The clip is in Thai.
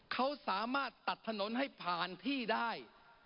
เขาสามารถตัดถนนให้ผ่านที่ได้